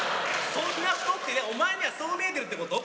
そんな太ってねぇ、お前にはそう見えてるってこと。